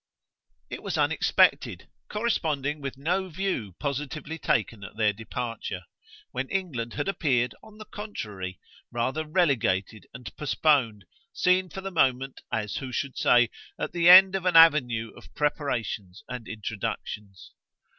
It was unexpected, corresponding with no view positively taken at their departure; when England had appeared, on the contrary, rather relegated and postponed seen for the moment, as who should say, at the end of an avenue of preparations and introductions.